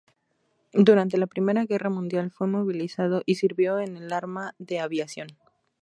Durante la Primera Guerra Mundial fue movilizado y sirvió en el arma de Aviación.